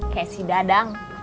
kayak si dadang